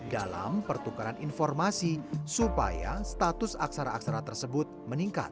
dalam pertukaran informasi supaya status aksara aksara tersebut meningkat